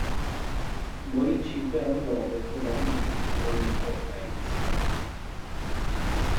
Morì cinque anni dopo e probabilmente non entrò in Carinzia.